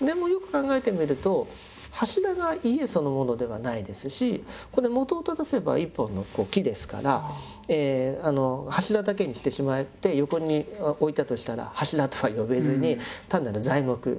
でもよく考えてみると柱が家そのものではないですしこれ本を正せば一本の木ですから柱だけにしてしまって横に置いたとしたら柱とは呼べずに単なる材木ですよね。